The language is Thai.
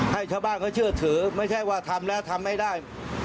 ให้ชาวบ้านเขาเชื่อถือไม่ใช่ว่าทำแล้วทำไม่ได้